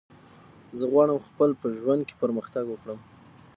زه غواړم خپل په ژوند کی پرمختګ وکړم